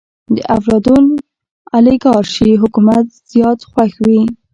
د افلاطون اليګارشي حکومت زيات خوښ وي.